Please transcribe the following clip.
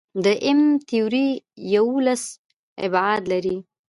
د M-تیوري یوولس ابعاد لري.